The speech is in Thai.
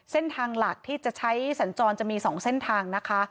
เส้นทางหลักที่จะใช้สัญจรจะมี๒เส้นทางนะคะ